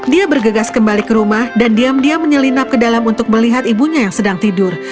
dia bergegas kembali ke rumah dan diam diam menyelinap ke dalam untuk melihat ibunya yang sedang tidur